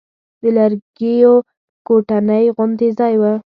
د لرګيو کوټنۍ غوندې ځاى و.